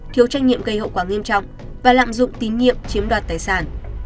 thiếu trách nhiệm gây hậu quả nghiêm trọng và lạm dụng tín nhiệm chiếm đoạt tài sản